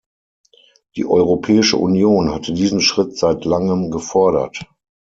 Die Europäische Union hatte diesen Schritt seit langem gefordert.